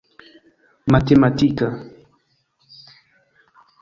matematika